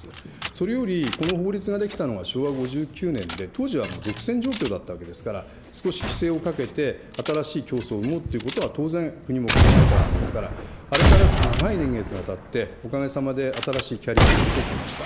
それよりこの法律が出来たのが昭和５９年で、当時は独占状況だったわけですから、少し規制をかけて、新しい競争を生むということは、当然、国も考えたわけですから、あれから長い年月がたって、おかげさまで新しいキャリアも出てきました。